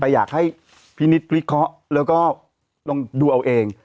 แต่อยากให้พี่นิดวิเคราะห์แล้วก็ลองดูเอาเอง